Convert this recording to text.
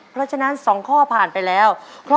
เพราะฉะนั้นสองข้อผ่านไปแล้วนะครับ